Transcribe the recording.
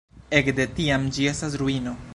Ekde tiam ĝi estas ruino.